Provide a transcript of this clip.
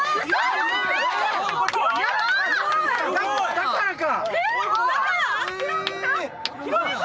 だからか！